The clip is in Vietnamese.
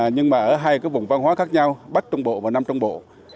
nhưng mà ở hai cái vùng văn hóa khác nhau bắc trung bộ và nam trung bộ